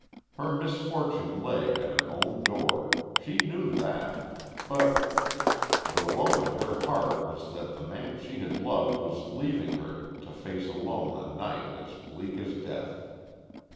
Her misfortune lay at her own door. She knew that. But The woe in her heart was that the man she had loved was leaving her to face alone a night as bleak as death.